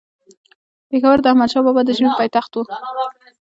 پيښور د احمدشاه بابا د ژمي پايتخت وو